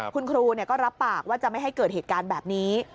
คุณครูก็รับปากว่าจะไม่ให้เกิดเหตุการณ์แบบนี้